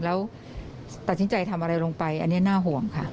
แล้วตัดสินใจทำอะไรลงไปอันนี้น่าห่วงค่ะ